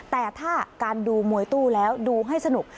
แต่ถ้าการดูมวยตู้แล้วดูให้สนุก